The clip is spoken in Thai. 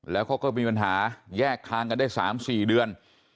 แล้วเขาก็มีปัญหาแยกทางกันได้๓๔เดือน